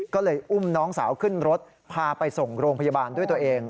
ก็เลยอุ้มน้องสาวขึ้นรถพาไปส่งโรงพยาบาลด้วยตัวเอง